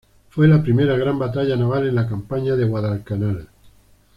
Fue la primera gran batalla naval de la campaña de Guadalcanal.